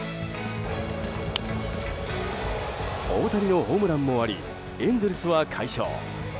大谷のホームランもありエンゼルスは快勝。